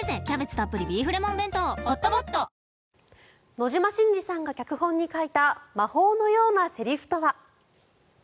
野島伸司さんが脚本に書いた魔法のようなセリフとは？